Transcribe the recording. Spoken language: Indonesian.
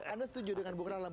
anda setuju dengan bung rala